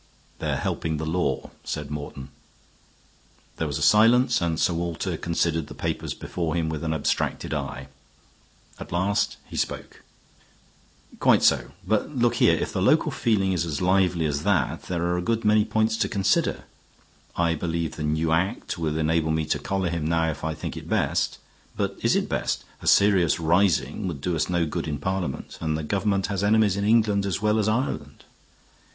"They are helping the law," said Morton. There was a silence, and Sir Walter considered the papers before him with an abstracted eye. At last he spoke. "Quite so; but look here, if the local feeling is as lively as that there are a good many points to consider. I believe the new Act will enable me to collar him now if I think it best. But is it best? A serious rising would do us no good in Parliament, and the government has enemies in England as well as Ireland.